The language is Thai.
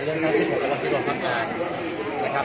สวัสดีครับพี่เบนสวัสดีครับ